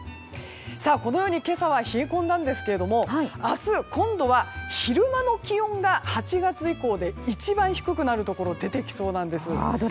このように今朝は冷え込んだんですけども明日、今度は昼間の気温が８月以降で一番低くなるところが出てきそうです。